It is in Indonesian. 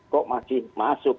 kok masih masuk